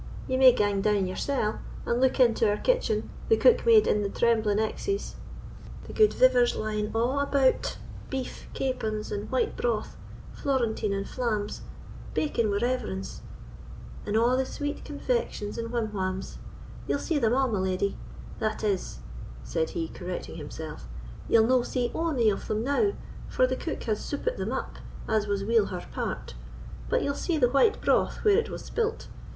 Ye may gang down yoursell, and look into our kitchen—the cookmaid in the trembling exies—the gude vivers lying a' about—beef, capons, and white broth—florentine and flams—bacon wi' reverence—and a' the sweet confections and whim whams—ye'll see them a', my leddy—that is," said he, correcting himself, "ye'll no see ony of them now, for the cook has soopit them up, as was weel her part; but ye'll see the white broth where it was spilt.